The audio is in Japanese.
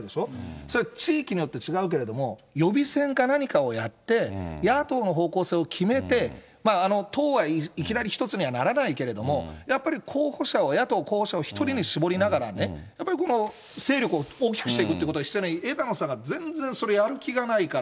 それ、地域によっては違うけれども、予備選か何かをやって、野党の方向性を決めて、党はいきなり１つにはならないけれども、やっぱり、候補者を、野党候補者を１人に絞りながらね、やっぱり勢力を大きくしていくっていうこと必要、全然それやる気がないから。